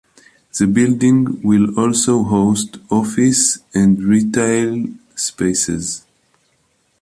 The building will also host office and retail spaces.